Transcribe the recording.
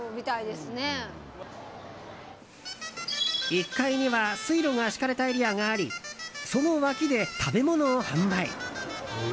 １階には水路が敷かれたエリアがありその脇で、食べ物を販売。